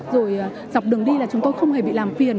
rồi dọc đường đi là chúng tôi không hề bị làm phiền